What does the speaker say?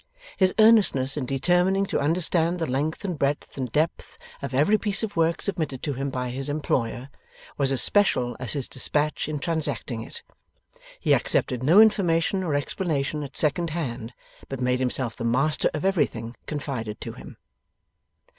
His earnestness in determining to understand the length and breadth and depth of every piece of work submitted to him by his employer, was as special as his despatch in transacting it. He accepted no information or explanation at second hand, but made himself the master of everything confided to him.